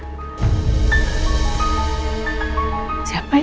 terus ada temennya laki laki ya